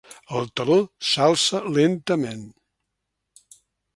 El teló s'alça lentament.